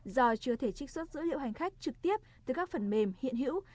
do chưa thể trích xuất dữ liệu hành khách trực tiếp từ các phần mềm hiện hữu